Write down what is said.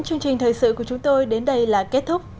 chương trình thời sự của chúng tôi đến đây là kết thúc